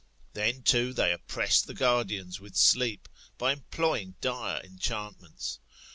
Then, too, they oppress the guardians with sleep, by employing dire enchantments.